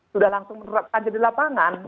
sudah langsung menerapkan di lapangan